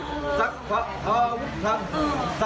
อุ่นแชมอ่ะ